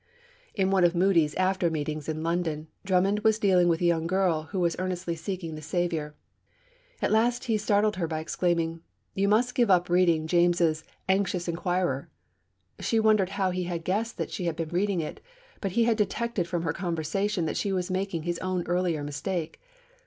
In one of Moody's after meetings in London, Drummond was dealing with a young girl who was earnestly seeking the Saviour. At last he startled her by exclaiming, 'You must give up reading James's Anxious Enquirer.' She wondered how he had guessed that she had been reading it; but he had detected from her conversation that she was making his own earlier mistake.